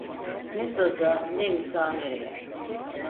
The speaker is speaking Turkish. Ne saza, ne müsamereye!